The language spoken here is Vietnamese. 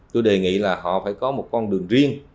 tôi đề nghị là họ phải có một con đường riêng